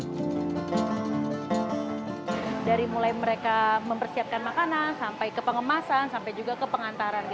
dari mulai mereka mempersiapkan makanan sampai ke pengemasan sampai juga ke pengantaran